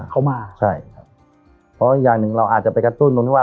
เพราะอย่างหนึ่งเราอาจจะไปกระตุ้นตรงนี้ว่า